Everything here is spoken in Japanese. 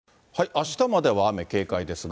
あしたまでは雨、警戒ですが。